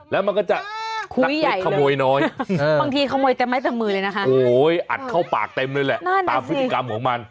แล้วมันก็จะขโมยน้อยบางทีขโมยเต็มไม้เต็มมือเลยนะคะโอ้โหอัดเข้าปากเต็มเลยแหละตามพฤติกรรมของมัน